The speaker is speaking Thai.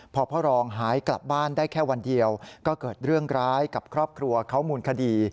พอพ่อรองหายกลับบ้านได้แค่วันเดียวก็เกิดเรื่องร้ายกับครอบครัวเขามูลคดี